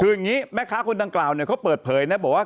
ซึ่งงี้แม่ค้าคนดังกล่าวเนี่ยเขาเปิดเผยนะบอกว่า